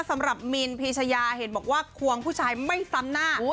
สำหรับมินพีชยาเห็นบอกว่าควงผู้ชายไม่ซ้ำหน้า